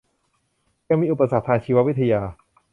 ยังมีอุปสรรคทางชีววิทยา